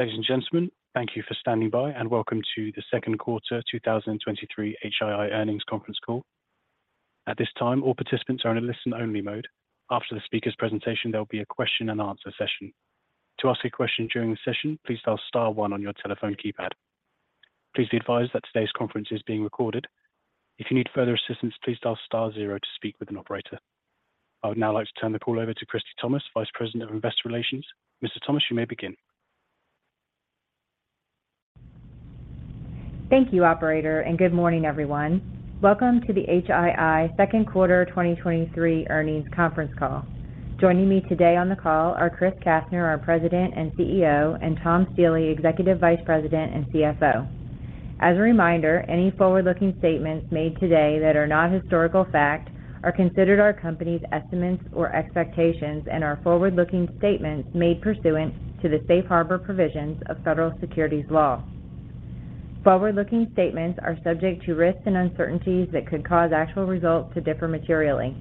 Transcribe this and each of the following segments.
Ladies and gentlemen, thank you for standing by, and welcome to the second quarter 2023 HII Earnings Conference Call. At this time, all participants are in a listen-only mode. After the speaker's presentation, there will be a question and answer session. To ask a question during the session, please dial star one on your telephone keypad. Please be advised that today's conference is being recorded. If you need further assistance, please dial star zero to speak with an operator. I would now like to turn the call over to Christie Thomas, Vice President of Investor Relations. Ms. Thomas, you may begin. Thank you, operator. Good morning, everyone. Welcome to the HII second quarter 2023 Earnings Conference Call. Joining me today on the call are Chris Kastner, our President and CEO, and Tom Stiehle, Executive Vice President and CFO. As a reminder, any forward-looking statements made today that are not historical fact are considered our company's estimates or expectations and are forward-looking statements made pursuant to the safe harbor provisions of federal securities laws. Forward-looking statements are subject to risks and uncertainties that could cause actual results to differ materially.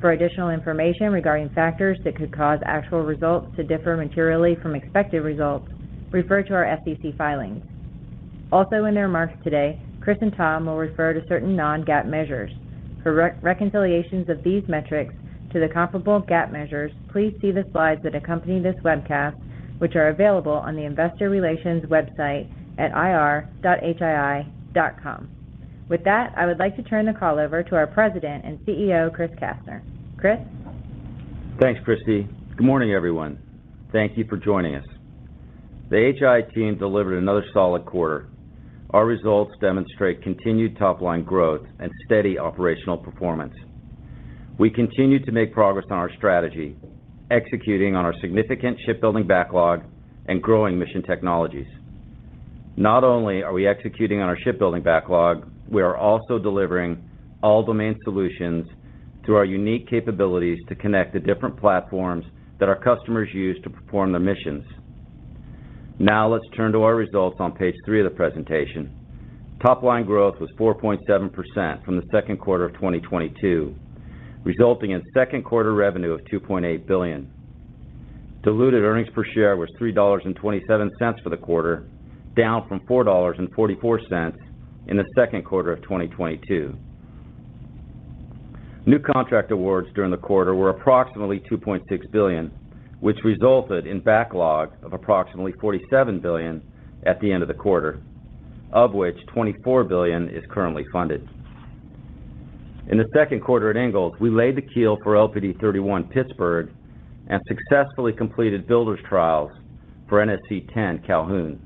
For additional information regarding factors that could cause actual results to differ materially from expected results, refer to our SEC filings. Also, in their remarks today, Chris and Tom will refer to certain non-GAAP measures. For re-reconciliations of these metrics to the comparable GAAP measures, please see the slides that accompany this webcast, which are available on the Investor Relations website at ir.hii.com. With that, I would like to turn the call over to our President and CEO, Chris Kastner. Chris? Thanks, Christie. Good morning, everyone. Thank you for joining us. The HII team delivered another solid quarter. Our results demonstrate continued top-line growth and steady operational performance. We continue to make progress on our strategy, executing on our significant shipbuilding backlog and growing Mission Technologies. Not only are we executing on our shipbuilding backlog, we are also delivering all-domain solutions through our unique capabilities to connect the different platforms that our customers use to perform their missions. Now, let's turn to our results on page three of the presentation. Top line growth was 4.7% from Q2 2022, resulting in second quarter revenue of $2.8 billion. Diluted earnings per share was $3.27 for the quarter, down from $4.44 in Q2 2022. New contract awards during the quarter were approximately $2.6 billion, which resulted in backlog of approximately $47 billion at the end of the quarter, of which $24 billion is currently funded. In the second quarter at Ingalls, we laid the keel for LPD 31 Pittsburgh and successfully completed builder's trials for NSC 10 Calhoun.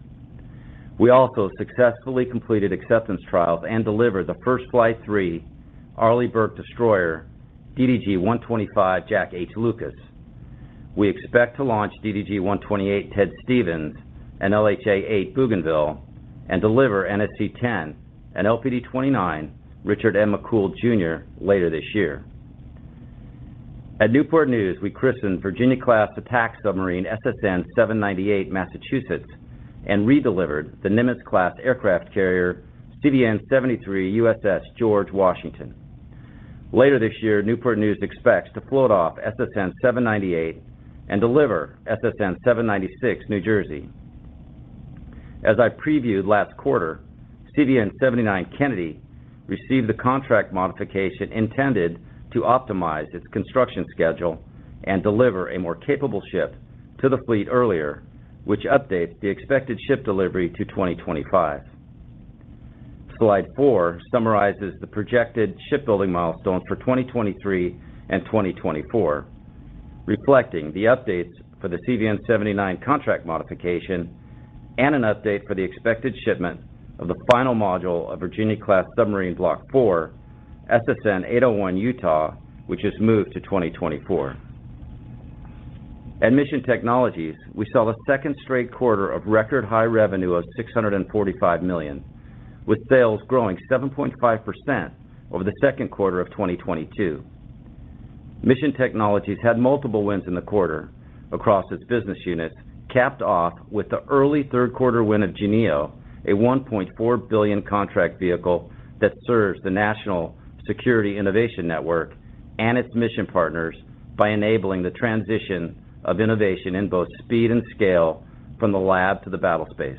We also successfully completed acceptance trials and delivered the first Flight III Arleigh Burke destroyer, DDG-125 Jack H. Lucas. We expect to launch DDG-128 Ted Stevens and LHA-8 Bougainville and deliver NSC-10 and LPD-29 Richard M. McCool Jr. later this year. At Newport News, we christened Virginia-class attack submarine SSN-798 Massachusetts and redelivered the Nimitz-class aircraft carrier CVN-73 USS George Washington. Later this year, Newport News expects to float off SSN-798 and deliver SSN-796 New Jersey. As I previewed last quarter, CVN-79 Kennedy received the contract modification intended to optimize its construction schedule and deliver a more capable ship to the fleet earlier, which updates the expected ship delivery to 2025. Slide 4 summarizes the projected shipbuilding milestones for 2023 and 2024, reflecting the updates for the CVN-79 contract modification and an update for the expected shipment of the final module of Virginia-class submarine Block IV, SSN 801 Utah, which has moved to 2024. At Mission Technologies, we saw the second straight quarter of record-high revenue of $645 million, with sales growing 7.5% over the second quarter of 2022. Mission Technologies had multiple wins in the quarter across its business units, capped off with the early third quarter win of J-NEO, a $1.4 billion contract vehicle that serves the National Security Innovation Network and its mission partners by enabling the transition of innovation in both speed and scale from the lab to the battlespace.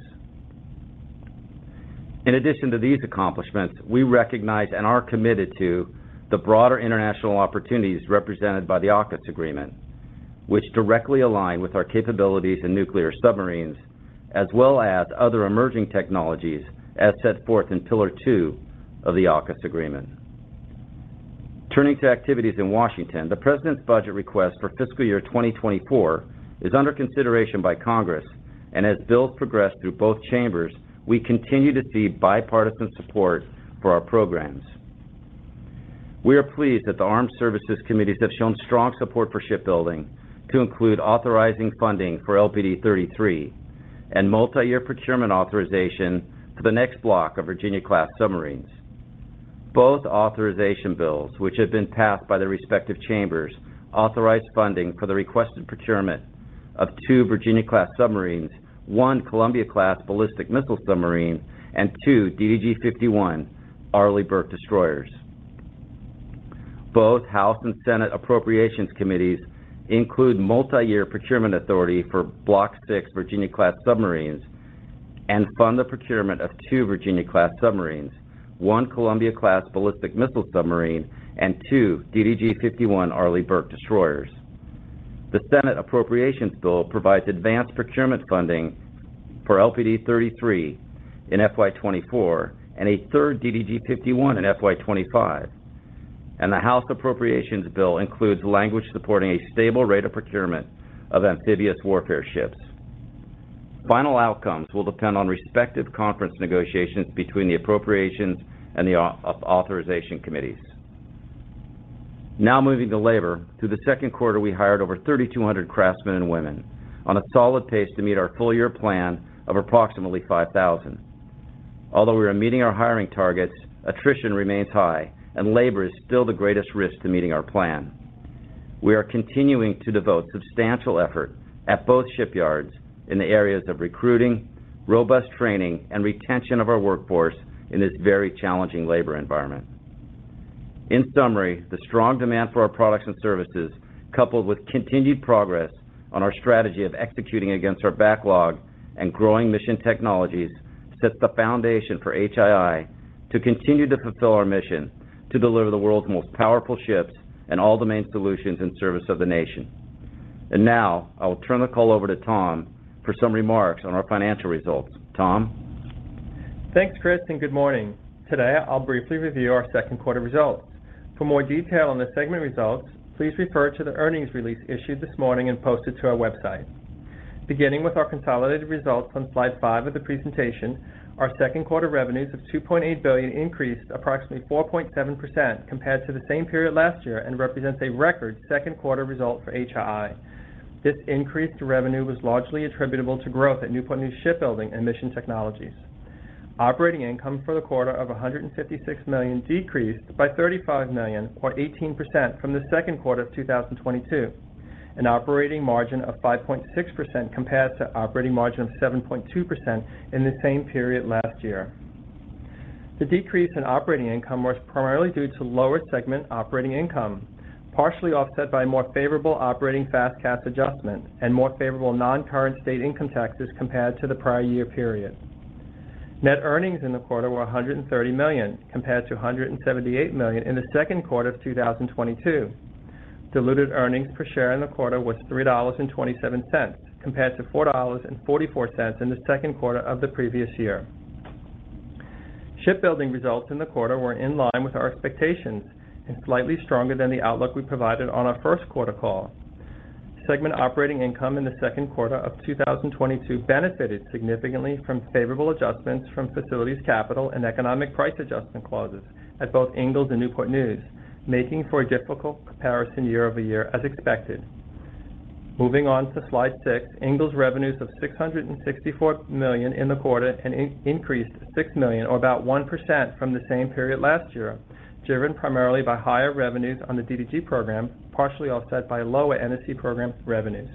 In addition to these accomplishments, we recognize and are committed to the broader international opportunities represented by the AUKUS Agreement, which directly align with our capabilities in nuclear submarines, as well as other emerging technologies, as set forth in Pillar 2 of the AUKUS Agreement. Turning to activities in Washington, the President's budget request for fiscal year 2024 is under consideration by Congress, as bills progress through both chambers, we continue to see bipartisan support for our programs. We are pleased that the Armed Services Committees have shown strong support for shipbuilding to include authorizing funding for LPD 33 and multi-year procurement authorization for the next block of Virginia-class submarines. Both authorization bills, which have been passed by their respective chambers, authorize funding for the requested procurement of 2 Virginia-class submarines, 1 Columbia-class ballistic missile submarine, and 2 DDG 51 Arleigh Burke destroyers. Both House and Senate Appropriations Committees include multi-year procurement authority for Block VI Virginia-class submarines and fund the procurement of 2 Virginia-class submarines, 1 Columbia-class ballistic missile submarine, and 2 DDG 51 Arleigh Burke destroyers. The Senate appropriations bill provides advanced procurement funding for LPD 33 in FY 2024 and a third DDG 51 in FY 2025, and the House Appropriations bill includes language supporting a stable rate of procurement of amphibious warfare ships. Final outcomes will depend on respective conference negotiations between the Appropriations and the Authorization Committees. Now moving to labor. Through the second quarter, we hired over 3,200 craftsmen and women on a solid pace to meet our full year plan of approximately 5,000. Although we are meeting our hiring targets, attrition remains high, and labor is still the greatest risk to meeting our plan. We are continuing to devote substantial effort at both shipyards in the areas of recruiting, robust training, and retention of our workforce in this very challenging labor environment. In summary, the strong demand for our products and services, coupled with continued progress on our strategy of executing against our backlog and growing Mission Technologies, sets the foundation for HII to continue to fulfill our mission to deliver the world's most powerful ships and all-domain solutions in service of the nation. Now, I will turn the call over to Tom for some remarks on our financial results. Tom? Thanks, Chris. Good morning. Today, I'll briefly review our second quarter results. For more detail on the segment results, please refer to the earnings release issued this morning and posted to our website. Beginning with our consolidated results on Slide 5 of the presentation, our second quarter revenues of $2.8 billion increased approximately 4.7% compared to the same period last year and represents a record second quarter result for HII. This increase to revenue was largely attributable to growth at Newport News Shipbuilding and Mission Technologies. Operating income for the quarter of $156 million decreased by $35 million, or 18%, from the second quarter of 2022, an operating margin of 5.6% compared to operating margin of 7.2% in the same period last year. The decrease in operating income was primarily due to lower segment operating income, partially offset by more favorable operating FAS/CAS adjustment and more favorable non-current state income taxes compared to the prior year period. Net earnings in the quarter were $130 million, compared to $178 million in the second quarter of 2022. Diluted earnings per share in the quarter was $3.27, compared to $4.44 in the second quarter of the previous year. Shipbuilding results in the quarter were in line with our expectations and slightly stronger than the outlook we provided on our first quarter call. Segment operating income in the second quarter of 2022 benefited significantly from favorable adjustments from facilities, capital, and economic price adjustment clauses at both Ingalls and Newport News, making for a difficult comparison year-over-year, as expected. Moving on to Slide 6, Ingalls revenues of $664 million in the quarter and increased to $6 million, or about 1% from the same period last year, driven primarily by higher revenues on the DDG program, partially offset by lower NSC program revenues.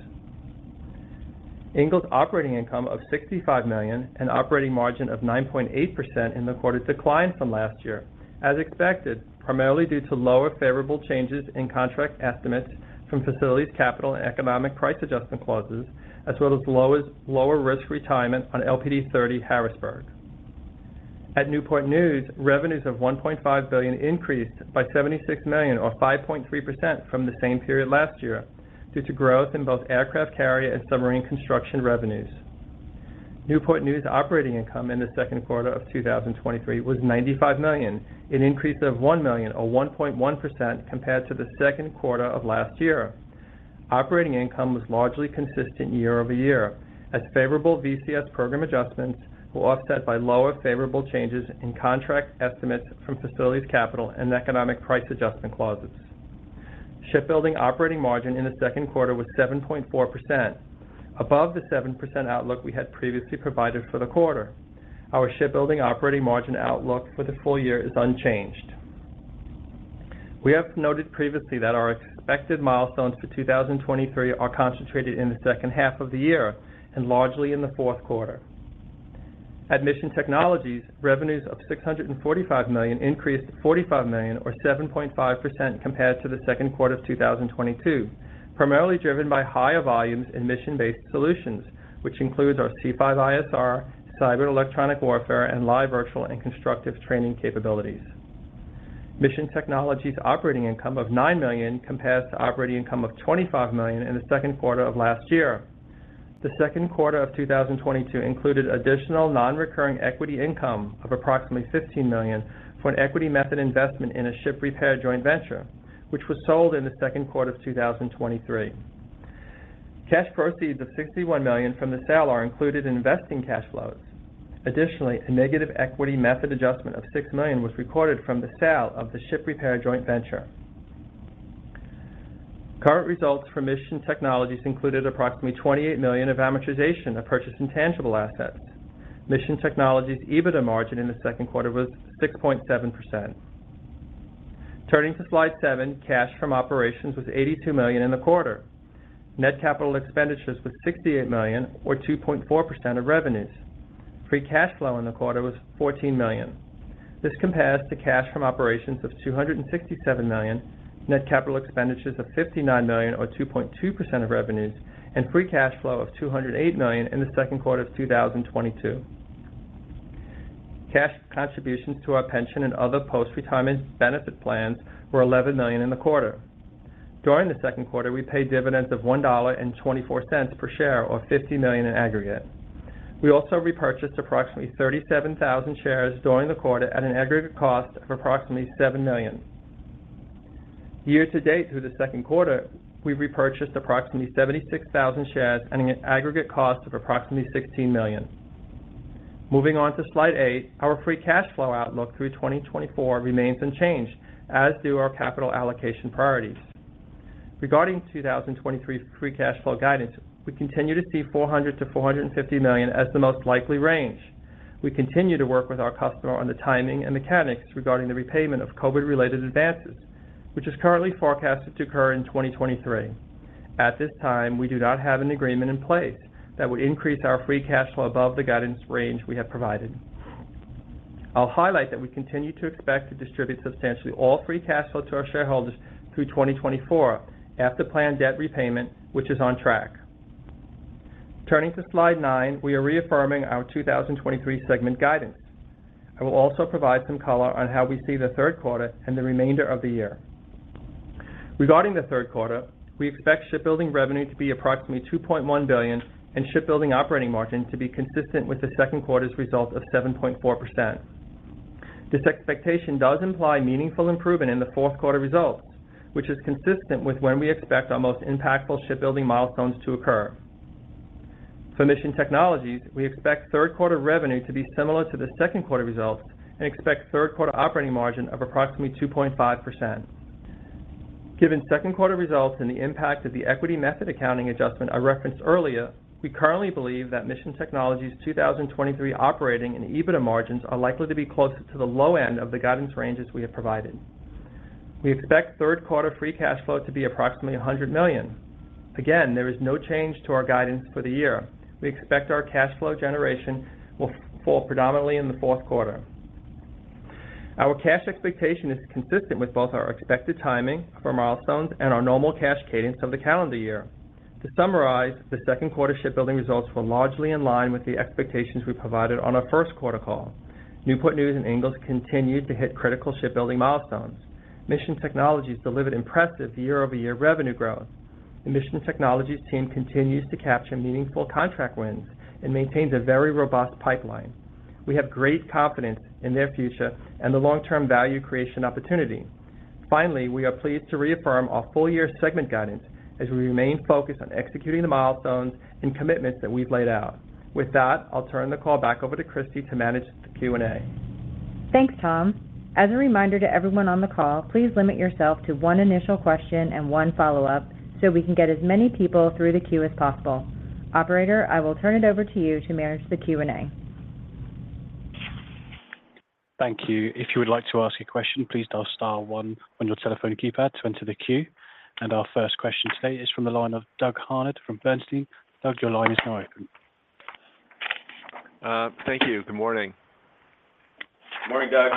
Ingalls operating income of $65 million, an operating margin of 9.8% in the quarter declined from last year, as expected, primarily due to lower favorable changes in contract estimates from facilities, capital, and economic price adjustment clauses, as well as lower risk retirement on LPD-30 Harrisburg. At Newport News, revenues of $1.5 billion increased by $76 million, or 5.3% from the same period last year, due to growth in both aircraft carrier and submarine construction revenues. Newport News operating income in the second quarter of 2023 was $95 million, an increase of $1 million or 1.1% compared to the second quarter of last year. Operating income was largely consistent year-over-year, as favorable VCS program adjustments were offset by lower favorable changes in contract estimates from facilities capital and economic price adjustment clauses. Shipbuilding operating margin in the second quarter was 7.4%, above the 7% outlook we had previously provided for the quarter. Our shipbuilding operating margin outlook for the full year is unchanged. We have noted previously that our expected milestones for 2023 are concentrated in the second half of the year and largely in the fourth quarter. At Mission Technologies, revenues of $645 million increased to $45 million, or 7.5% compared to the second quarter of 2022, primarily driven by higher volumes in mission-based solutions, which includes our C5ISR, cyber electronic warfare, and live virtual and constructive training capabilities. Mission Technologies operating income of $9 million compares to operating income of $25 million in the second quarter of last year. The second quarter of 2022 included additional non-recurring equity income of approximately $15 million for an equity method investment in a ship repair joint venture, which was sold in the second quarter of 2023. Cash proceeds of $61 million from the sale are included in investing cash flows. A negative equity method adjustment of $6 million was recorded from the sale of the ship repair joint venture. Current results from Mission Technologies included approximately $28 million of amortization of purchased intangible assets. Mission Technologies' EBITDA margin in the second quarter was 6.7%. Turning to slide 7, cash from operations was $82 million in the quarter. Net capital expenditures were $68 million, or 2.4% of revenues. Free cash flow in the quarter was $14 million. This compares to cash from operations of $267 million, net capital expenditures of $59 million, or 2.2% of revenues, and free cash flow of $208 million in the second quarter of 2022. Cash contributions to our pension and other post-retirement benefit plans were $11 million in the quarter. During the second quarter, we paid dividends of $1.24 per share, or $50 million in aggregate. We also repurchased approximately 37,000 shares during the quarter at an aggregate cost of approximately $7 million. Year to date, through the second quarter, we've repurchased approximately 76,000 shares at an aggregate cost of approximately $16 million. Moving on to Slide 8, our free cash flow outlook through 2024 remains unchanged, as do our capital allocation priorities. Regarding 2023 free cash flow guidance, we continue to see $400 million-$450 million as the most likely range. We continue to work with our customer on the timing and mechanics regarding the repayment of COVID-related advances, which is currently forecasted to occur in 2023. At this time, we do not have an agreement in place that would increase our free cash flow above the guidance range we have provided. I'll highlight that we continue to expect to distribute substantially all free cash flow to our shareholders through 2024 after planned debt repayment, which is on track. Turning to Slide 9, we are reaffirming our 2023 segment guidance. I will also provide some color on how we see the third quarter and the remainder of the year. Regarding the third quarter, we expect shipbuilding revenue to be approximately $2.1 billion, and shipbuilding operating margin to be consistent with the second quarter's result of 7.4%. This expectation does imply meaningful improvement in the fourth quarter results, which is consistent with when we expect our most impactful shipbuilding milestones to occur. For Mission Technologies, we expect third quarter revenue to be similar to the second quarter results and expect third quarter operating margin of approximately 2.5%. Given second quarter results and the impact of the equity method accounting adjustment I referenced earlier, I mean, we currently believe that Mission Technologies' 2023 operating and EBITDA margins are likely to be closer to the low end of the guidance ranges we have provided. We expect third quarter free cash flow to be approximately $100 million. There is no change to our guidance for the year. We expect our cash flow generation will fall predominantly in the fourth quarter. Our cash expectation is consistent with both our expected timing for milestones and our normal cash cadence of the calendar year. To summarize, the second quarter shipbuilding results were largely in line with the expectations we provided on our first quarter call. Newport News and Ingalls continued to hit critical shipbuilding milestones. Mission Technologies delivered impressive year-over-year revenue growth. The Mission Technologies team continues to capture meaningful contract wins and maintains a very robust pipeline. We have great confidence in their future and the long-term value creation opportunity. Finally, we are pleased to reaffirm our full year segment guidance as we remain focused on executing the milestones and commitments that we've laid out. With that, I'll turn the call back over to Christie to manage the Q&A. Thanks, Tom. As a reminder to everyone on the call, please limit yourself to one initial question and one follow-up, so we can get as many people through the queue as possible. Operator, I will turn it over to you to manage the Q&A. Thank you. If you would like to ask a question, please dial star one on your telephone keypad to enter the queue. Our first question today is from the line of Doug Harned from Bernstein. Doug, your line is now open. Thank you. Good morning. Morning, Doug.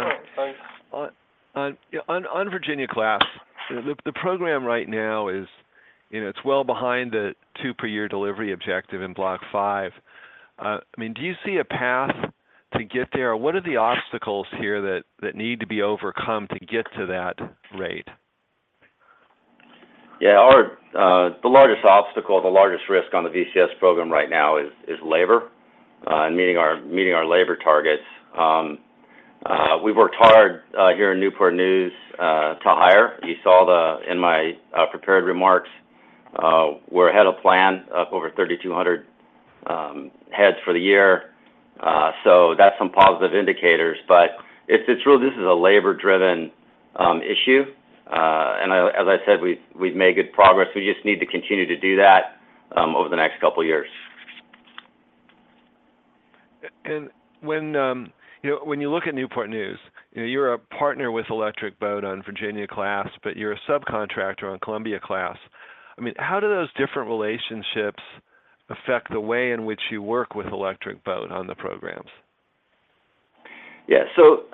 On Virginia-class, the program right now is, you know, it's well behind the two per year delivery objective in Block V. I mean, do you see a path to get there, or what are the obstacles here that need to be overcome to get to that rate? Yeah, our, the largest obstacle, the largest risk on the VCS program right now is, is labor, and meeting our, meeting our labor targets. We've worked hard, here in Newport News, to hire. You saw in my prepared remarks, we're ahead of plan, up over 3,200 heads for the year. That's some positive indicators, but it's really this is a labor-driven issue. As I said, we've, we've made good progress. We just need to continue to do that, over the next couple of years. When, you know, when you look at Newport News, you know, you're a partner with Electric Boat on Virginia-class, but you're a subcontractor on Columbia-class. I mean, how do those different relationships affect the way in which you work with Electric Boat on the programs? Yeah. So,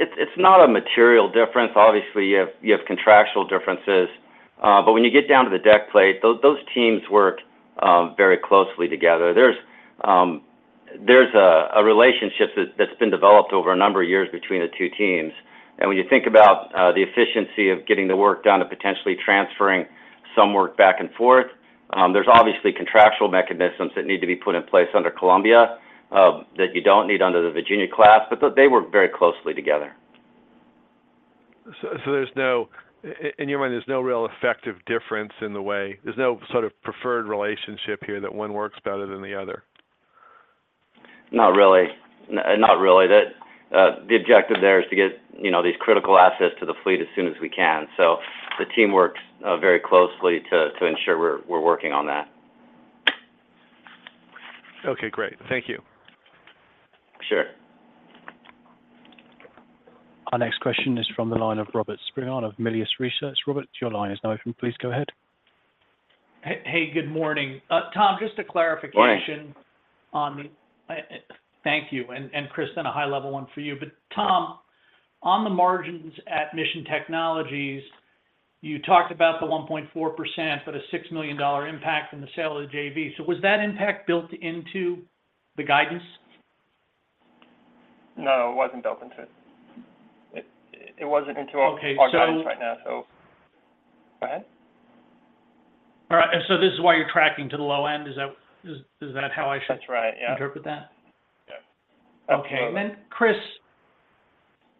it's not a material difference. Obviously, you have, you have contractual differences. When you get down to the deck plate, those teams work very closely together. There's a relationship that's been developed over a number of years between the two teams. When you think about the efficiency of getting the work done and potentially transferring some work back and forth, there's obviously contractual mechanisms that need to be put in place under Columbia, that you don't need under the Virginia-class. They work very closely together. there's no in your mind, there's no real effective difference in the way There's no sort of preferred relationship here that one works better than the other? Not really. Not really. The objective there is to get, you know, these critical assets to the fleet as soon as we can. The team works very closely to ensure we're working on that. Okay, great. Thank you. Sure. Our next question is from the line of Robert Spingarn of Melius Research. Robert, your line is now open. Please go ahead. Hey, hey, good morning. Tom, just a clarification- Morning. Thank you. Chris, then a high-level one for you. Tom, on the margins at Mission Technologies, you talked about the 1.4%, but a $6 million impact from the sale of the JV. Was that impact built into the guidance? No, it wasn't built into it. It wasn't into our- Okay. our guidance right now. Go ahead. All right, so this is why you're tracking to the low end. Is that, is that how I should- That's right, yeah. Interpret that? Yeah. Okay. Chris,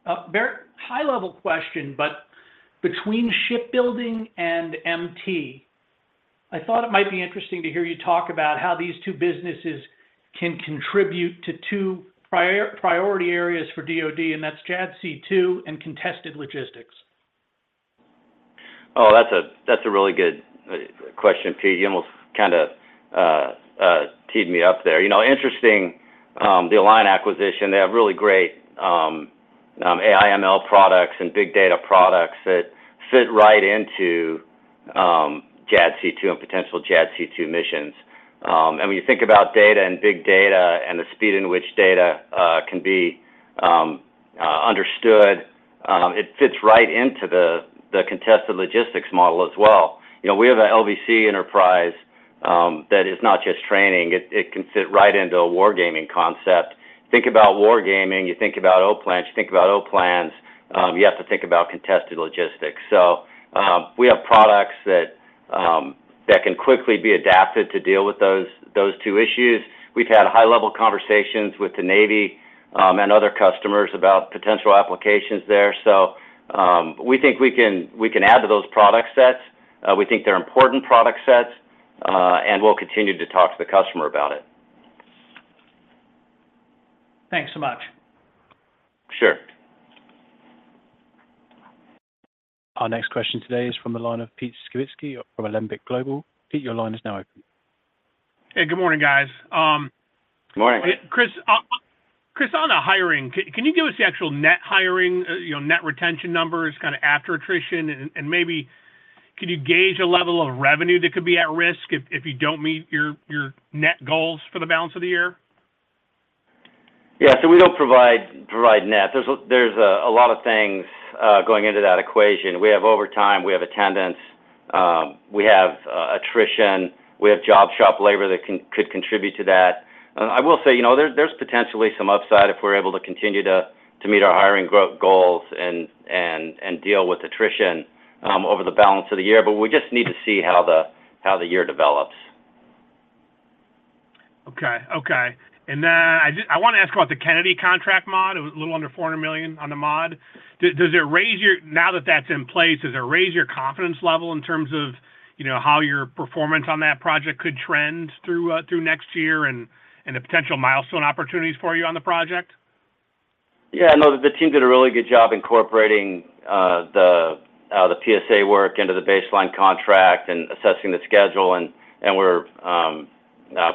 a very high-level question, but between shipbuilding and MT, I thought it might be interesting to hear you talk about how these 2 businesses can contribute to 2 priority areas for DoD, and that's JADC2 and contested logistics. That's a, that's a really good question, too. You almost kind of teed me up there. You know, interesting, the Alion acquisition, they have really great AI ML products and big data products that fit right into JADC2 and potential JADC2 missions. When you think about data and big data and the speed in which data can be understood, it fits right into the contested logistics model as well. You know, we have an LVC Enterprise that is not just training. It can fit right into a war gaming concept. Think about war gaming, you think about O plans. You think about O plans, you have to think about contested logistics. We have products that can quickly be adapted to deal with those, those two issues. We've had high-level conversations with the Navy, and other customers about potential applications there. We think we can, we can add to those product sets. We think they're important product sets, and we'll continue to talk to the customer about it. Thanks so much. Sure. Our next question today is from the line of Pete Skibitski from Alembic Global. Pete, your line is now open. Hey, good morning, guys. Good morning. Chris, Chris, on the hiring, can, can you give us the actual net hiring, you know, net retention numbers, kind of after attrition? Maybe could you gauge a level of revenue that could be at risk if, if you don't meet your, your net goals for the balance of the year? We don't provide, provide net. There's a lot of things going into that equation. We have overtime, we have attendance, we have attrition, we have job shop labor that could contribute to that. I will say, you know, there's potentially some upside if we're able to continue to meet our hiring goals and deal with attrition over the balance of the year. We just need to see how the year develops. Okay. Okay. Then, I want to ask about the Kennedy contract mod, it was a little under $400 million on the mod. Does it raise your confidence level in terms of, you know, how your performance on that project could trend through next year and the potential milestone opportunities for you on the project? Yeah, no, the team did a really good job incorporating the PSA work into the baseline contract and assessing the schedule, and we're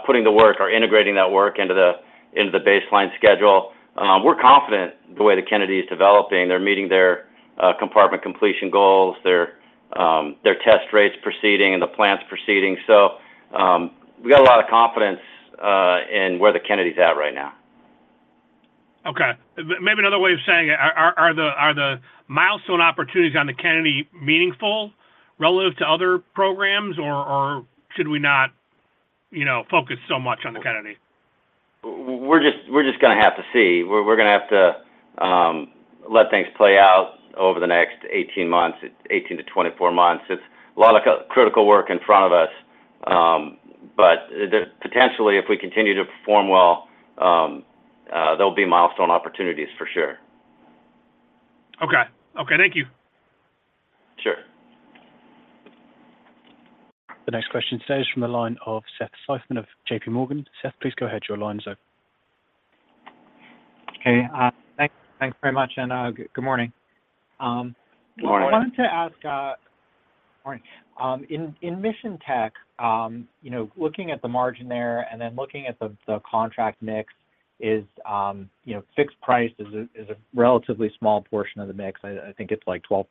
putting the work or integrating that work into the baseline schedule. We're confident the way that Kennedy is developing. They're meeting their compartment completion goals, their test rate's proceeding and the plan's proceeding. We got a lot of confidence in where the Kennedy's at right now. Okay. Maybe another way of saying it, are the milestone opportunities on the Kennedy meaningful relative to other programs, or should we not, you know, focus so much on the Kennedy? We're just, we're just gonna have to see. We're, we're gonna have to let things play out over the next 18 months, 18-24 months. It's a lot of critical work in front of us, but potentially, if we continue to perform well, there'll be milestone opportunities for sure. Okay. Okay, thank you. Sure. The next question today is from the line of Seth Seifman of JPMorgan. Seth, please go ahead, your line's open. Hey, thanks, thanks very much, and good morning. Good morning. I wanted to ask. Morning. In, in Mission Tech, you know, looking at the margin there and then looking at the, the contract mix is, you know, fixed price is a, is a relatively small portion of the mix. I think it's like 12%.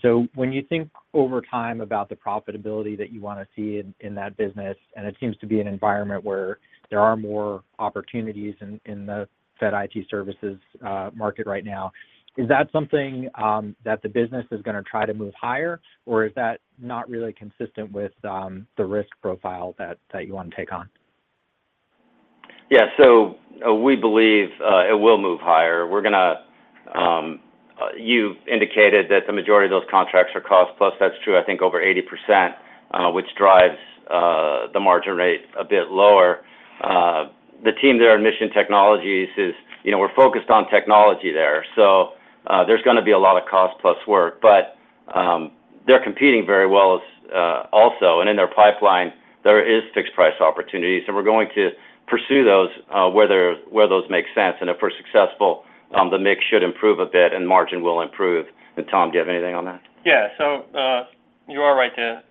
So when you think over time about the profitability that you want to see in, in that business, and it seems to be an environment where there are more opportunities in, in the Fed IT services, market right now, is that something that the business is gonna try to move higher? Is that not really consistent with the risk profile that, that you want to take on? Yeah. We believe it will move higher. We're gonna. You've indicated that the majority of those contracts are cost plus. That's true, I think over 80%, which drives the margin rate a bit lower. The team there at Mission Technologies is, you know, we're focused on technology there, so there's gonna be a lot of cost plus work. They're competing very well as also, and in their pipeline there is fixed price opportunities, and we're going to pursue those where those make sense. If we're successful, the mix should improve a bit and margin will improve. Tom, do you have anything on that? Yeah. You are right that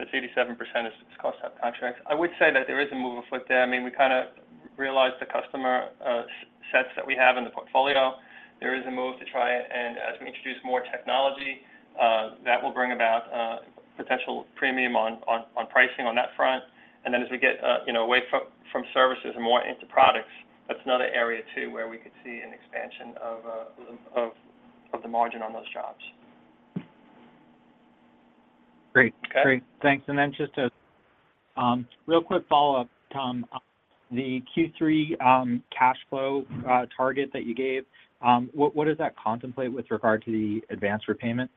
If it's 87% is cost sub contracts, I would say that there is a move afoot there. I mean, we kind of realized the customer sets that we have in the portfolio. There is a move to try and as we introduce more technology, that will bring about a potential premium on, on, on pricing on that front. Then as we get, you know, away from, from services and more into products, that's another area too, where we could see an expansion of, of, of the margin on those jobs. Great. Okay. Great. Thanks. Then just a real quick follow-up, Tom. The Q3 cash flow target that you gave, what, what does that contemplate with regard to the advanced repayment?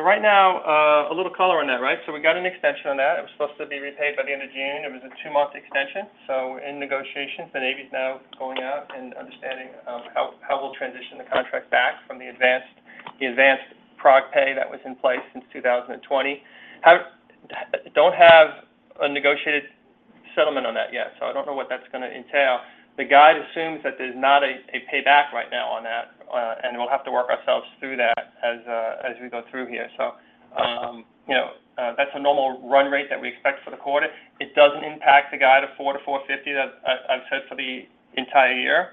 Right now, a little color on that, right? We got an extension on that. It was supposed to be repaid by the end of June. It was a 2-month extension. We're in negotiations. The Navy's now going out and understanding how we'll transition the contract back from the advanced, the advanced prog pay that was in place since 2020. Don't have a negotiated settlement on that yet. I don't know what that's gonna entail. The guide assumes that there's not a payback right now on that. We'll have to work ourselves through that as we go through here. You know, that's a normal run rate that we expect for the quarter. It doesn't impact the guide of $4-$4.50 that I've said for the entire year.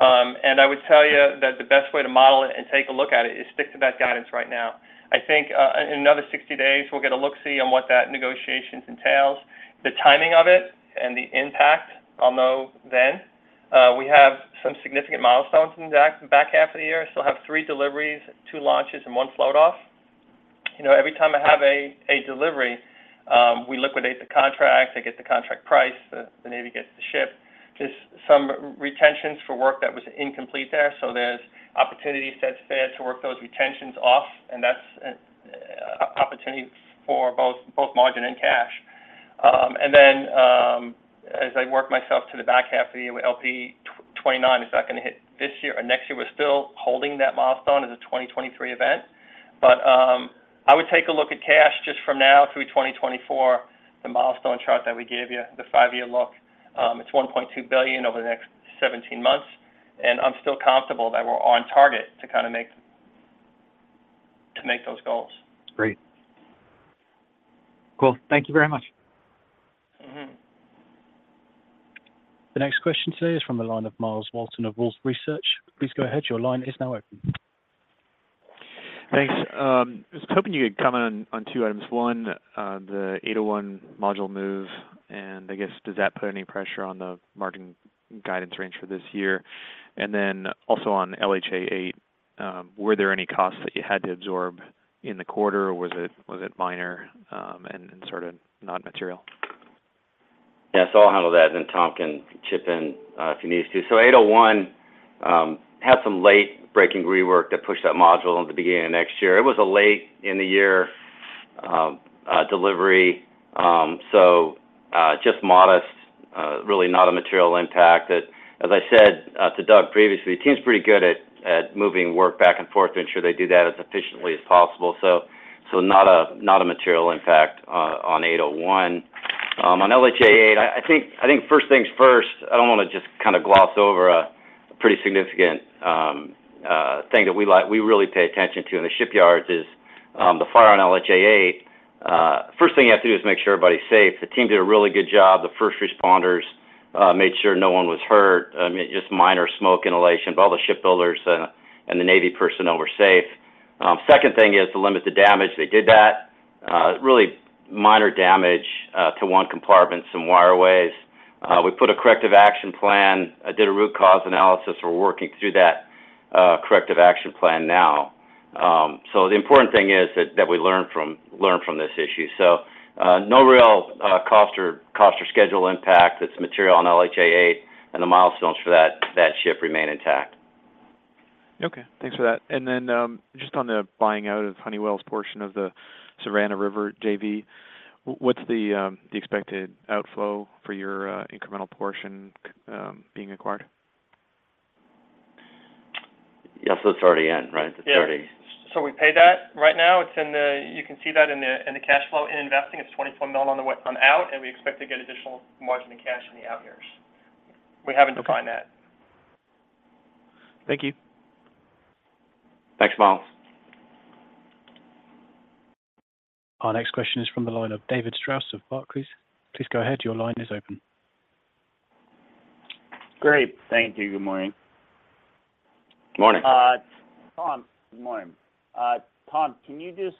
I would tell you that the best way to model it and take a look at it is stick to that guidance right now. I think, in another 60 days, we'll get a look-see on what that negotiation entails. The timing of it and the impact, I'll know then. We have some significant milestones in the back half of the year. Still have 3 deliveries, 2 launches, and 1 float off. You know, every time I have a delivery, we liquidate the contract, I get the contract price, the Navy gets the ship. There's some retentions for work that was incomplete there, so there's opportunities that's there to work those retentions off, and that's an opportunity for both margin and cash. As I work myself to the back half of the year, LPD-29 is not gonna hit this year or next year. We're still holding that milestone as a 2023 event. I would take a look at cash just from now through 2024, the milestone chart that we gave you, the five-year look. It's $1.2 billion over the next 17 months, and I'm still comfortable that we're on target to make, to make those goals. Great. Cool. Thank you very much. Mm-hmm. The next question today is from the line of Myles Walton of Wolfe Research. Please go ahead. Your line is now open. Thanks. I was hoping you could comment on, on two items. One, the 801 module move, and I guess, does that put any pressure on the margin guidance range for this year? Then also on LHA-8, were there any costs that you had to absorb in the quarter, or was it, was it minor, and sort of not material? Yes, I'll handle that, and then Tom can chip in if he needs to. 801 had some late breaking rework that pushed that module into the beginning of next year. It was a late in the year delivery, so just modest, really not a material impact. That as I said to Doug previously, the team's pretty good at moving work back and forth to ensure they do that as efficiently as possible. Not a material impact on 801. On LHA-8, I think first things first, I don't want to just kind of gloss over a pretty significant thing that we like, we really pay attention to in the shipyards is the fire on LHA-8. First thing you have to do is make sure everybody's safe. The team did a really good job. The first responders made sure no one was hurt. I mean, just minor smoke inhalation, but all the shipbuilders and, and the Navy personnel were safe. Second thing is to limit the damage. They did that. Really minor damage to one compartment, some wire ways. We put a corrective action plan, I did a root cause analysis. We're working through that corrective action plan now. The important thing is that, that we learn from, learn from this issue. No real cost or cost or schedule impact that's material on LHA-8, and the milestones for that, that ship remain intact. Okay, thanks for that. Just on the buying out of Honeywell's portion of the Savannah River JV, what's the, the expected outflow for your, incremental portion, being acquired? Yeah, so it's already in, right? Yeah. It's already- We paid that. Right now, it's in the-- You can see that in the cash flow. In investing, it's $24 million on the way on out, and we expect to get additional margin and cash in the out years. We haven't defined that. Thank you. Thanks, Myles. Our next question is from the line of David Strauss of Barclays. Please go ahead. Your line is open. Great. Thank you. Good morning. Good morning. Tom, good morning. Tom, can you just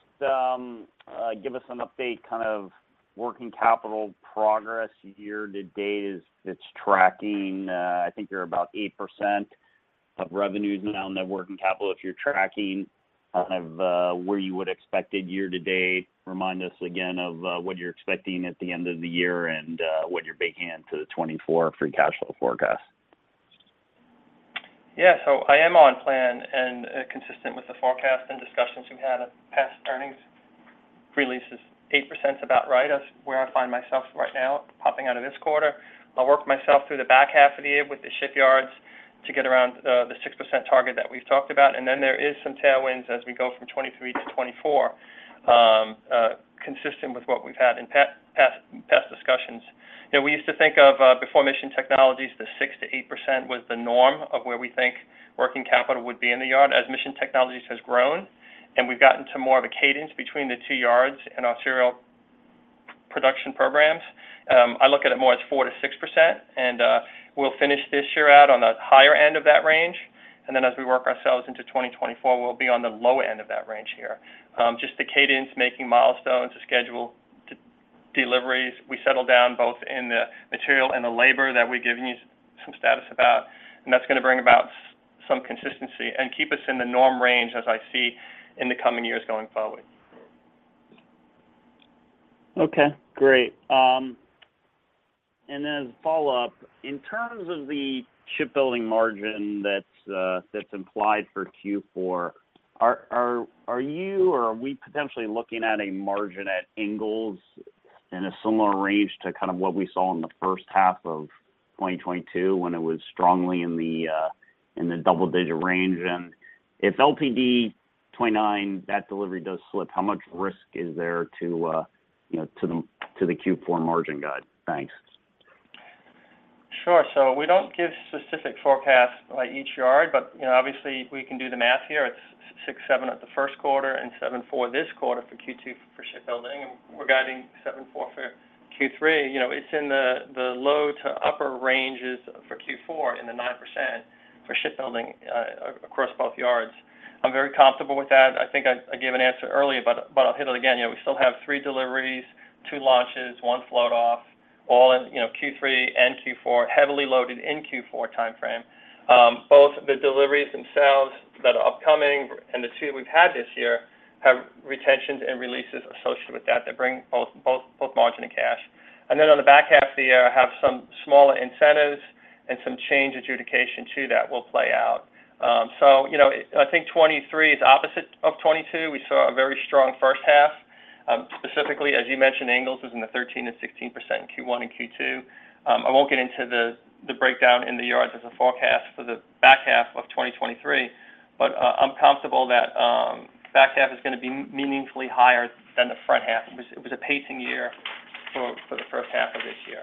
give us an update, kind of working capital progress year to date as it's tracking? I think you're about 8% of revenues now net working capital. If you're tracking, kind of, where you would expected year to date, remind us again of what you're expecting at the end of the year and what you're baking in to the 2024 free cash flow forecast. I am on plan, and consistent with the forecast and discussions we've had at past earnings releases. 8% is about right as where I find myself right now, popping out of this quarter. I'll work myself through the back half of the year with the shipyards to get around the 6% target that we've talked about. There is some tailwinds as we go from 2023 to 2024, consistent with what we've had in past. Yeah, we used to think of, before Mission Technologies, the 6%-8% was the norm of where we think working capital would be in the yard. As Mission Technologies has grown, and we've gotten to more of a cadence between the two yards and our serial production programs, I look at it more as 4%-6%, and we'll finish this year out on the higher end of that range. As we work ourselves into 2024, we'll be on the low end of that range here. Just the cadence, making milestones to schedule, to deliveries. We settle down both in the material and the labor that we're giving you some status about, and that's going to bring about some consistency and keep us in the norm range as I see in the coming years going forward. Okay, great. As a follow-up, in terms of the shipbuilding margin that's implied for Q4, are, are, are you or are we potentially looking at a margin at Ingalls in a similar range to kind of what we saw in the first half of 2022, when it was strongly in the double-digit range? If LPD-29, that delivery does slip, how much risk is there to, you know, to the, to the Q4 margin guide? Thanks. Sure. We don't give specific forecasts by each yard, but, you know, obviously, we can do the math here. It's 6.7% at the first quarter and 7.4% this quarter for Q2 for shipbuilding. We're guiding 7.4% for Q3. You know, it's in the low to upper ranges for Q4 in the 9% for shipbuilding across both yards. I'm very comfortable with that. I think I gave an answer earlier, but I'll hit it again. You know, we still have three deliveries, two launches, one float off, all in, you know, Q3 and Q4, heavily loaded in Q4 time frame. Both the deliveries themselves that are upcoming and the two we've had this year have retentions and releases associated with that, that bring both, both, both margin and cash. Then on the back half of the year, I have some smaller incentives and some change adjudication too, that will play out. You know, I think 2023 is opposite of 2022. We saw a very strong first half. Specifically, as you mentioned, Ingalls was in the 13%-16% in Q1 and Q2. I won't get into the breakdown in the yards as a forecast for the back half of 2023, I'm comfortable that back half is going to be meaningfully higher than the front half. It was, it was a pacing year for, for the first half of this year.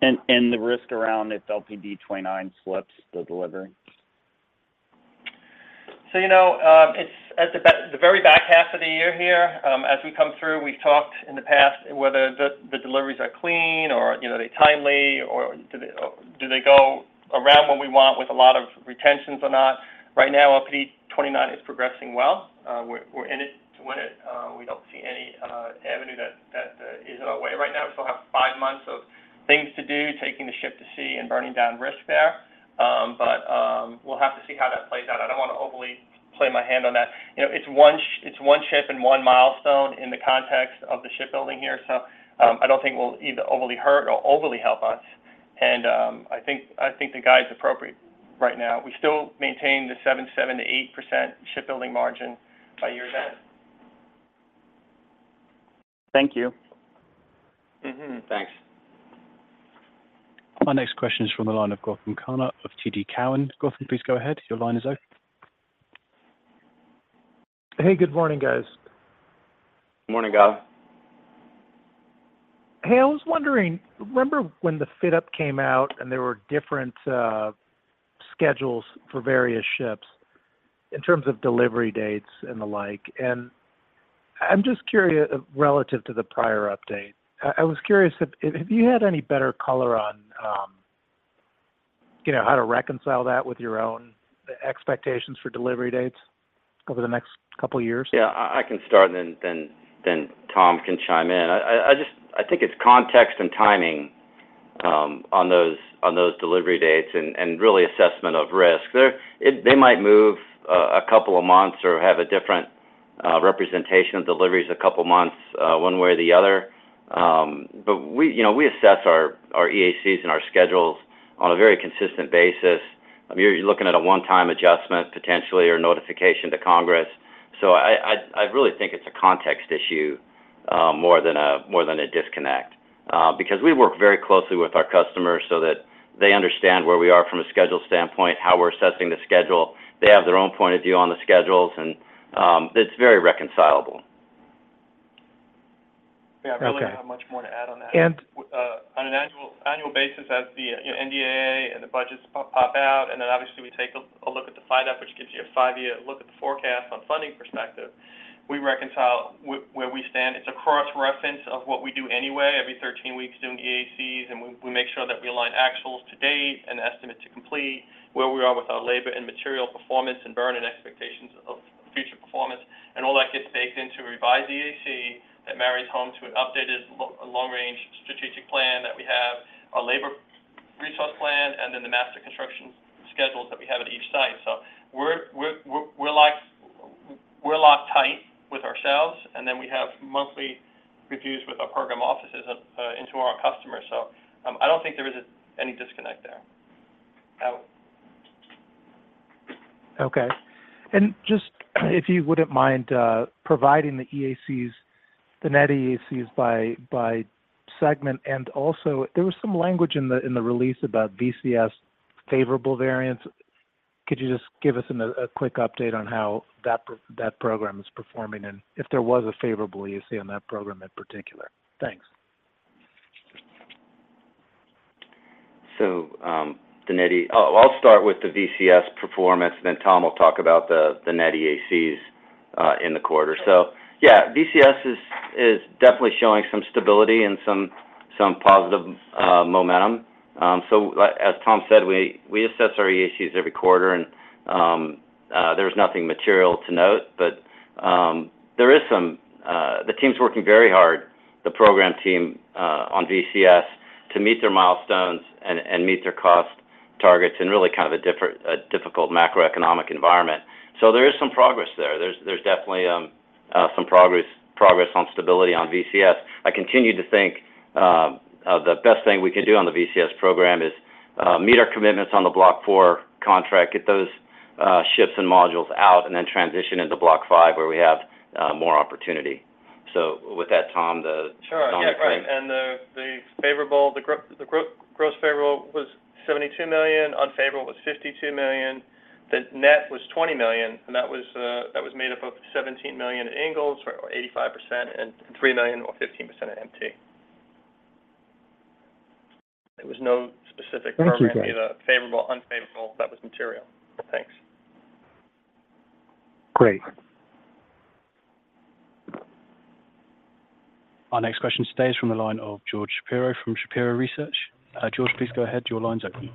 The risk around if LPD-29 slips, the delivery? You know, it's at the very back half of the year here, as we come through, we've talked in the past whether the, the deliveries are clean or, you know, are they timely, or do they, do they go around what we want with a lot of retentions or not? Right now, LPD-29 is progressing well. We're, we're in it to win it. We don't see any avenue that, that, is in our way right now. We still have five months of things to do, taking the ship to sea and burning down risk there. We'll have to see how that plays out. I don't want to overly play my hand on that. You know, it's one ship and one milestone in the context of the shipbuilding here, so I don't think we'll either overly hurt or overly help us. I think, I think the guide is appropriate right now. We still maintain the 7%-8% shipbuilding margin by year-end. Thank you. Mm-hmm. Thanks. Our next question is from the line of Gautam Khanna of TD Cowen. Gautam, please go ahead. Your line is open. Hey, good morning, guys. Morning, Gautam. Hey, I was wondering, remember when the FYDP came out and there were different schedules for various ships in terms of delivery dates and the like? I'm just curious, relative to the prior update, I, I was curious if, if you had any better color on, you know, how to reconcile that with your own expectations for delivery dates over the next couple of years? Yeah, I can start and then Tom can chime in. I think it's context and timing on those, on those delivery dates and, and really assessment of risk. They might move 2 months or have a different representation of deliveries 2 months, one way or the other. We, you know, we assess our, our EACs and our schedules on a very consistent basis. I mean, you're looking at a one-time adjustment, potentially, or notification to Congress. I really think it's a context issue more than a, more than a disconnect. Because we work very closely with our customers so that they understand where we are from a schedule standpoint, how we're assessing the schedule. They have their own point of view on the schedules, and, it's very reconcilable. Yeah, I don't really- Okay. Have much more to add on that. And- On an annual, annual basis, as the, you know, NDAA and the budgets pop, pop out, then obviously, we take a, a look at the FYDP, which gives you a five-year look at the forecast on funding perspective. We reconcile where we stand. It's a cross-reference of what we do anyway, every 13 weeks, doing EACs, and we, we make sure that we align actuals to date and estimate to complete, where we are with our labor and material performance, and burn in expectations of future performance. All that gets baked into a revised EAC that marries home to an updated long-range strategic plan that we have, our labor resource plan, and then the master construction schedules that we have at each site. We're locked, we're locked tight with ourselves, and then we have monthly reviews with our program offices and to our customers. I don't think there is any disconnect there. Okay. Just, if you wouldn't mind, providing the EACs, the net EACs by segment. Also, there was some language in the release about VCS favorable variance. Could you just give us a quick update on how that program is performing, and if there was a favorable EC on that program in particular? Thanks. The net, oh, I'll start with the VCS performance, then Tom will talk about the, the net EACs in the quarter. Yeah, VCS is, is definitely showing some stability and some, some positive momentum. Like, as Tom said, we, we assess our EACs every quarter, and there's nothing material to note. There is some, the team's working very hard, the program team on VCS, to meet their milestones and, and meet their cost targets in really kind of a difficult macroeconomic environment. There is some progress there. There's, there's definitely some progress, progress on stability on VCS. I continue to think, the best thing we can do on the VCS program is meet our commitments on the Block IV contract, get those ships and modules out, and then transition into Block V, where we have more opportunity. With that, Tom. Sure Tom, take. Yeah, right, the, the favorable, the gross favorable was $72 million, unfavorable was $52 million. The net was $20 million, and that was, that was made up of $17 million Ingalls, or 85%, and $3 million, or 15% at MT. There was no specific program- Thank you, Tom. Either favorable or unfavorable, that was material. Thanks. Great. Our next question today is from the line of George Shapiro from Shapiro Research. George, please go ahead. Your line's open.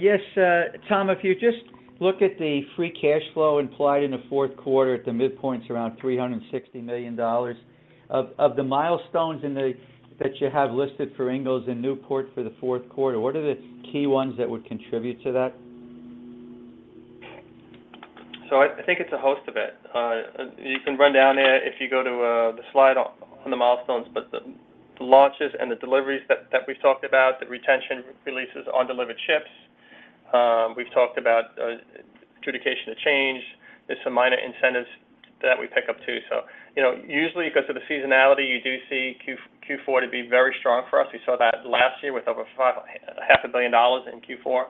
Yes, Tom, if you just look at the free cash flow implied in the fourth quarter at the midpoint's around $360 million, of the milestones in the that you have listed for Ingalls in Newport for the fourth quarter, what are the key ones that would contribute to that? I, I think it's a host of it. You can run down it if you go to the slide on, on the milestones, but the, the launches and the deliveries that, that we've talked about, the retention releases on delivered ships. We've talked about adjudication to change. There's some minor incentives that we pick up, too. You know, usually because of the seasonality, you do see Q4 to be very strong for us. We saw that last year with over $500 million in Q4.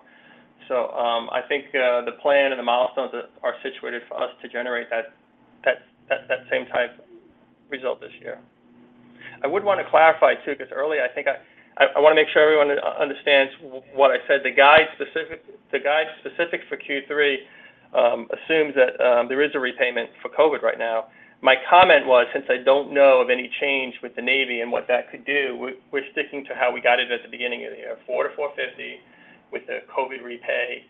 I think the plan and the milestones are situated for us to generate that, that, that, that same type of result this year. I would want to clarify, too, because earlier, I think I, I, I want to make sure everyone understands what I said. The guide specific, the guide specific for Q3 assumes that there is a repayment for COVID right now. My comment was, since I don't know of any change with the Navy and what that could do, we're sticking to how we got it at the beginning of the year, $4-$4.50, with the COVID repay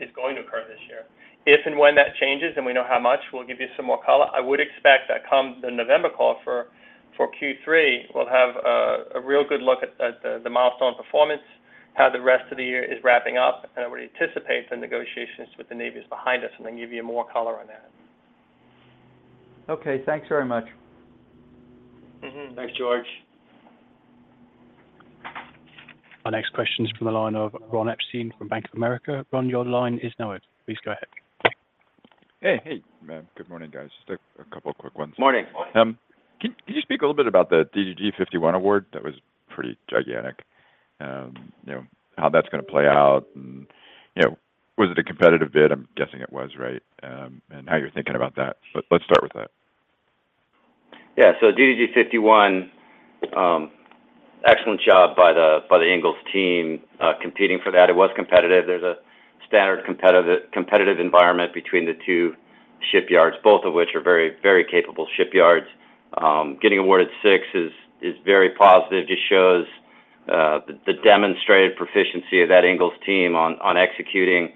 is going to occur this year. If and when that changes, and we know how much, we'll give you some more color. I would expect that come the November call for Q3, we'll have a real good look at the milestone performance, how the rest of the year is wrapping up, I would anticipate the negotiations with the Navy is behind us, then give you more color on that. Okay, thanks very much. Mm-hmm. Thanks, George. Our next question is from the line of Ron Epstein from Bank of America. Ron, your line is now open. Please go ahead. Hey, hey, men. Good morning, guys. Just 2 quick ones. Morning. Morning. Can you speak a little bit about the DDG 51 award? That was pretty gigantic. You know, how that's going to play out, and you know, was it a competitive bid? I'm guessing it was, right? How you're thinking about that. Let's start with that. Yeah, DDG 51, excellent job by the Ingalls team competing for that. It was competitive. There's a standard competitive, competitive environment between the two shipyards, both of which are very, very capable shipyards. Getting awarded six is very positive. Just shows the demonstrated proficiency of that Ingalls team on executing.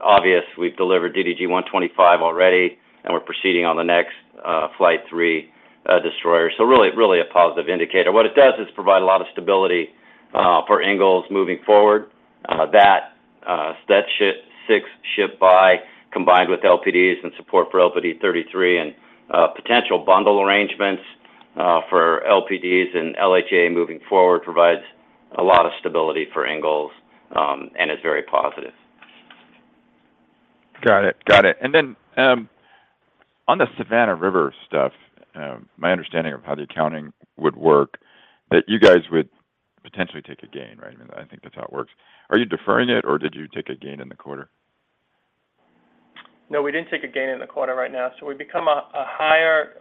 Obvious, we've delivered DDG-125 already, and we're proceeding on the next Flight III destroyer. Really, really a positive indicator. What it does is provide a lot of stability for Ingalls moving forward. That, that ship, sixth ship by, combined with LPDs and support for LPD 33, and potential bundle arrangements for LPDs and LHA moving forward, provides a lot of stability for Ingalls and is very positive. Got it. Got it. Then, on the Savannah River stuff, my understanding of how the accounting would work, that you guys would potentially take a gain, right? I mean, I think that's how it works. Are you deferring it, or did you take a gain in the quarter? We didn't take a gain in the quarter right now. We become a, a higher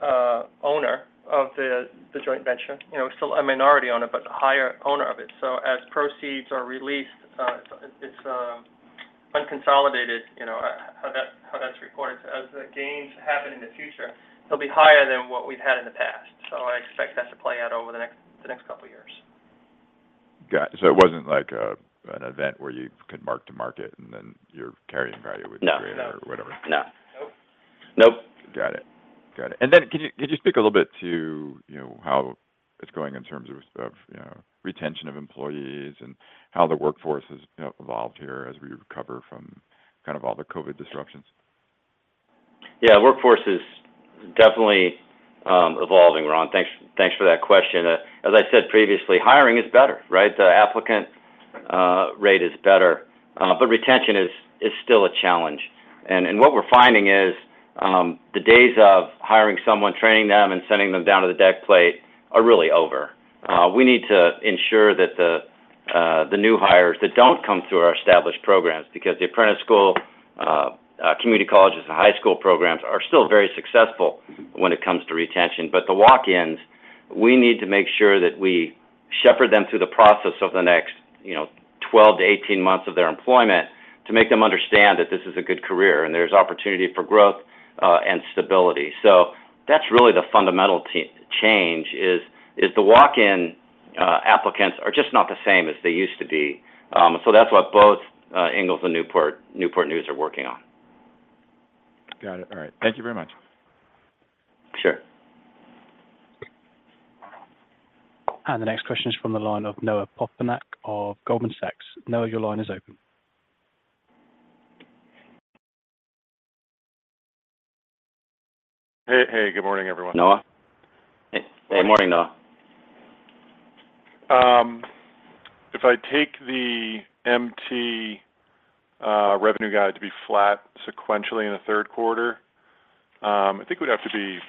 owner of the, the joint venture. You know, we're still a minority owner, but the higher owner of it. As proceeds are released, it's unconsolidated, you know, how that, how that's recorded. As the gains happen in the future, it'll be higher than what we've had in the past. I expect that to play out over the next, the next couple of years. Got it. It wasn't like a, an event where you could mark to market, and then your carrying value would- No Be greater or whatever? No. Nope. Nope. Got it. Got it. Then, could you, could you speak a little bit to, you know, how it's going in terms of, you know, retention of employees and how the workforce has, you know, evolved here as we recover from kind of all the COVID disruptions? Yeah, workforce is definitely evolving, Ron. Thanks, thanks for that question. What we're finding is, the days of hiring someone, training them, and sending them down to the deck plate are really over. We need to ensure that the new hires that don't come through our established programs, because the apprentice school, community colleges, and high school programs are still very successful when it comes to retention. The walk-ins, we need to make sure that we shepherd them through the process of the next, you know, 12-18 months of their employment to make them understand that this is a good career, and there's opportunity for growth and stability. That's really the fundamental change, is, is the walk-in applicants are just not the same as they used to be. That's what both Ingalls and Newport, Newport News are working on. Got it. All right. Thank you very much. Sure. The next question is from the line of Noah Poponak of Goldman Sachs. Noah, your line is open. Hey, hey, good morning, everyone. Noah? Hey, good morning, Noah. If I take the MT revenue guide to be flat sequentially in the third quarter, I think it would have to be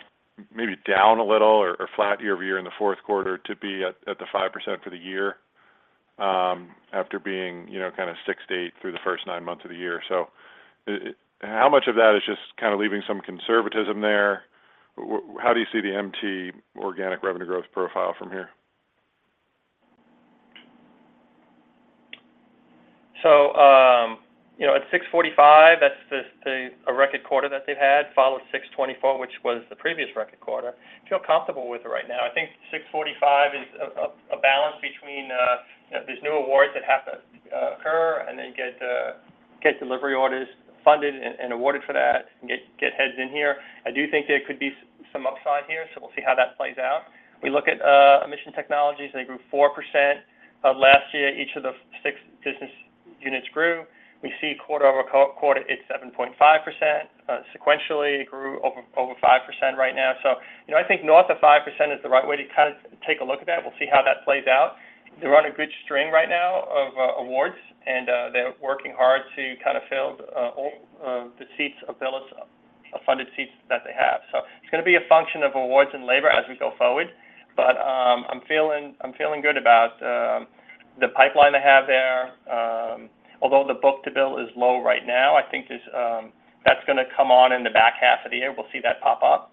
maybe down a little or, or flat year-over-year in the fourth quarter to be at, at the 5% for the year, after being, you know, kind of 6%-8% through the first nine months of the year. How much of that is just kind of leaving some conservatism there? How do you see the MT organic revenue growth profile from here? You know, at $645 million, that's the record quarter that they've had, followed $624 million, which was the previous record quarter. I feel comfortable with it right now. I think $645 million is a balance between, you know, these new awards that have to occur and then get delivery orders funded and awarded for that, and get heads in here. I do think there could be some upside here, we'll see how that plays out. We look at Mission Technologies, they grew 4%. Last year, each of the six business units grew. We see quarter-over-quarter, it's 7.5%. Sequentially, it grew over 5% right now. You know, I think north of 5% is the right way to kind of take a look at that. We'll see how that plays out. They're on a good string right now of awards, and they're working hard to kind of fill all the seats available, funded seats that they have. It's gonna be a function of awards and labor as we go forward, but I'm feeling, I'm feeling good about the pipeline they have there. The book to bill is low right now, I think this that's gonna come on in the back half of the year. We'll see that pop up.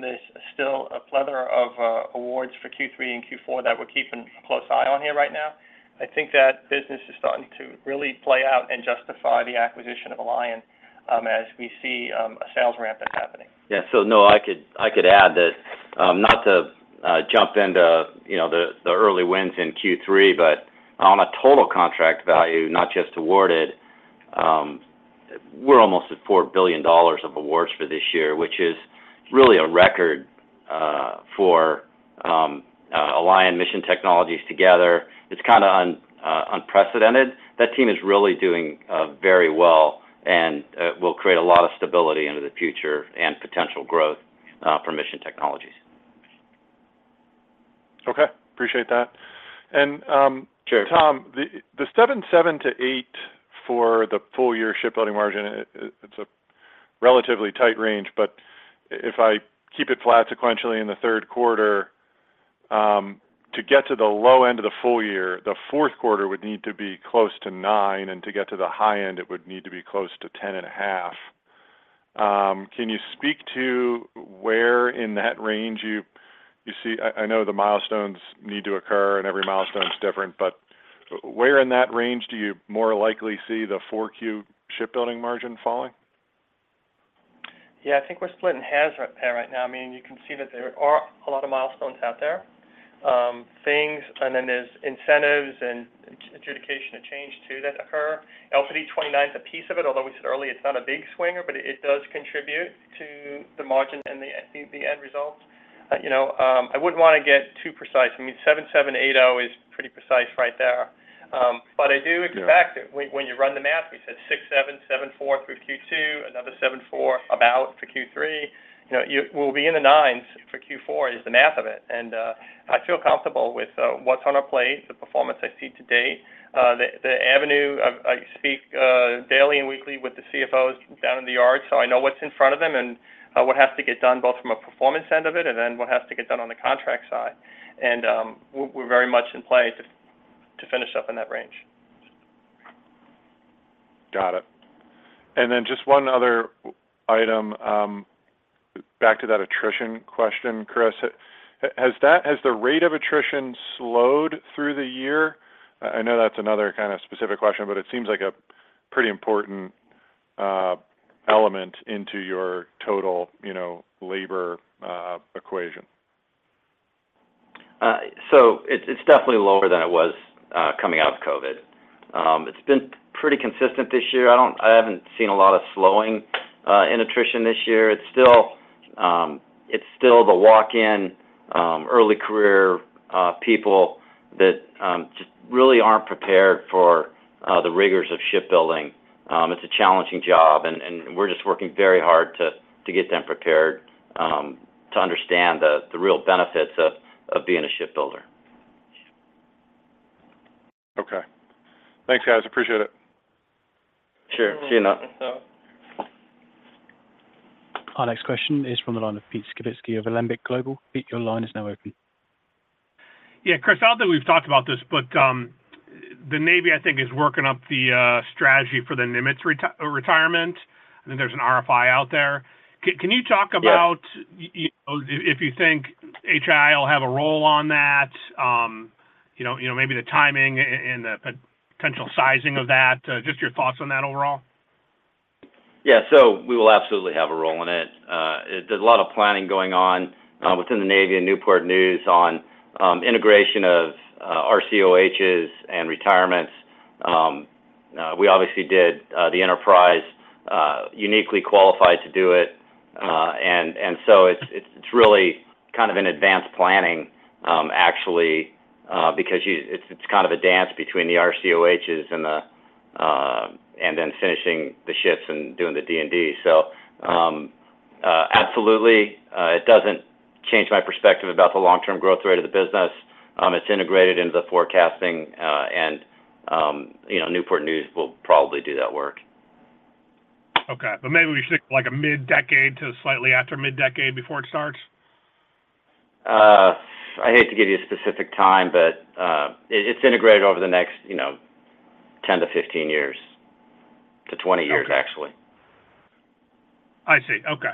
There's still a plethora of awards for Q3 and Q4 that we're keeping a close eye on here right now. I think that business is starting to really play out and justify the acquisition of Alion, as we see a sales ramp-up happening. Yeah, so Noah, I could, I could add that, not to jump into, you know, the, the early wins in Q3, but on a total contract value, not just awarded, we're almost at $4 billion of awards for this year, which is really a record for Alion Mission Technologies together. It's kind of unprecedented. That team is really doing very well and will create a lot of stability into the future and potential growth for Mission Technologies. Okay, appreciate that. Sure. Tom, the 7%-8% for the full year shipbuilding margin, it's a relatively tight range, but if I keep it flat sequentially in the third quarter, to get to the low end of the full year, the fourth quarter would need to be close to 9%, and to get to the high end, it would need to be close to 10.5%. Can you speak to where in that range you see, I know the milestones need to occur, and every milestone is different, but where in that range do you more likely see the 4Q shipbuilding margin falling? Yeah, I think we're split in half right now. I mean, you can see that there are a lot of milestones out there, things, and then there's incentives and adjudication of change, too, that occur. LPD-29 is a piece of it, although we said earlier, it's not a big swinger, but it does contribute to the margin and the, the end results. You know, I wouldn't want to get too precise. I mean, 7780 is pretty precise right there. But I do expect it. Yeah. When, when you run the math, we said 6.7, 7.4 through Q2, another 7.4 about for Q3. You know, we'll be in the 9s for Q4 is the math of it. I feel comfortable with what's on our plate, the performance I see to date. The, the avenue, I, I speak daily and weekly with the CFOs down in the yard, so I know what's in front of them and what has to get done, both from a performance end of it, and then what has to get done on the contract side. We're, we're very much in play to, to finish up in that range. Got it. Then just one other item, back to that attrition question, Chris. Has the rate of attrition slowed through the year? I know that's another kind of specific question, but it seems like a pretty important element into your total, you know, labor equation. It's, it's definitely lower than it was coming out of COVID. It's been pretty consistent this year. I haven't seen a lot of slowing in attrition this year. It's still, it's still the walk-in, early career people that just really aren't prepared for the rigors of shipbuilding. It's a challenging job, and, and we're just working very hard to, to get them prepared to understand the, the real benefits of, of being a shipbuilder. Thanks, guys. Appreciate it. Sure. See you now. Our next question is from the line of Pete Skibitski of Alembic Global. Pete, your line is now open. Yeah, Chris, I don't think we've talked about this, but the Navy, I think, is working up the strategy for the Nimitz retirement. I think there's an RFI out there. Can you talk about? Yeah. You know, if you think HII will have a role on that? you know, you know, maybe the timing and the potential sizing of that, just your thoughts on that overall. Yeah, we will absolutely have a role in it. There's a lot of planning going on within the Navy and Newport News on integration of RCOHs and retirements. We obviously did the Enterprise, uniquely qualified to do it. It's, it's really kind of an advanced planning, actually, because you-- it's, it's kind of a dance between the RCOHs and the and then finishing the ships and doing the D and D. Absolutely, it doesn't change my perspective about the long-term growth rate of the business. It's integrated into the forecasting, and, you know, Newport News will probably do that work. Okay. maybe we should look like a mid-decade to slightly after mid-decade before it starts? I hate to give you a specific time, but it's integrated over the next, you know, 10-15 years, to 20 years, actually. I see. Okay.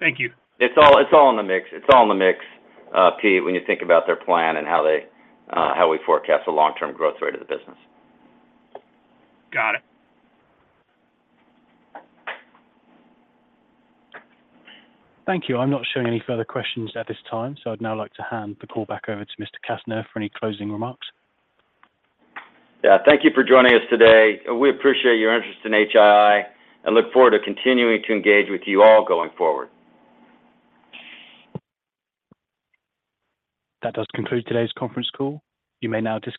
Thank you. It's all, it's all in the mix. It's all in the mix, Pete, when you think about their plan and how they, how we forecast the long-term growth rate of the business. Got it. Thank you. I'm not showing any further questions at this time, so I'd now like to hand the call back over to Mr. Kastner for any closing remarks. Yeah, thank you for joining us today. We appreciate your interest in HII, and look forward to continuing to engage with you all going forward. That does conclude today's conference call. You may now disconnect.